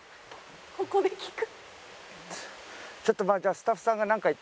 「ここで聞く？」